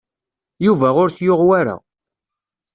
Yuba ur t-yuɣ wara.